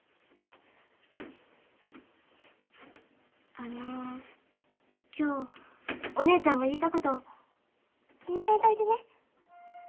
あの今日お姉ちゃんが言うたこと気にせんといてね。